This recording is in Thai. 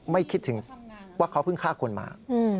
ไม่คิดถึงว่าเขาเพิ่งฆ่าคนมา